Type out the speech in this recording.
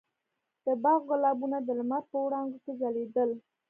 د باغ ګلابونه د لمر په وړانګو کې ځلېدل.